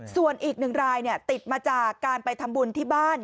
ส่วนอีกหนึ่งรายติดมาจากการไปทำบุญที่บ้าน